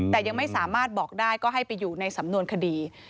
แต่ยังไม่สามารถบอกได้ก็ให้ไปอยู่ในสำนวนคดี